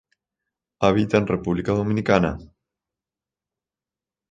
Habita en República Dominicana.